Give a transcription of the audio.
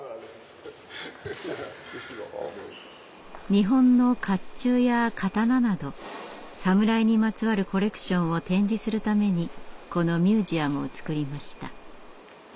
日本の甲冑や刀など「サムライ」にまつわるコレクションを展示するためにこのミュージアムを造りました。